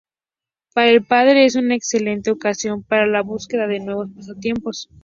Para el padre es una excelente ocasión para la búsqueda de nuevos pasatiempos.